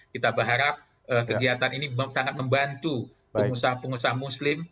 kita berharap kegiatan ini sangat membantu pengusaha pengusaha muslim